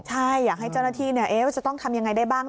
ใช่อยากให้เจ้าหน้าที่ว่าจะต้องทำยังไงได้บ้าง